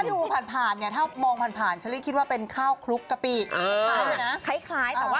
แต่วิธีการกินยังไม่ต่างศักดิ์เข้าปากกันกินได้เลย